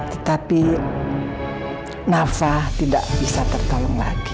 tetapi nafa tidak bisa tertolong lagi